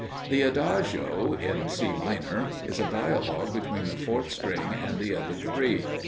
The adagio (in C minor) is a dialogue between the fourth string and the other three.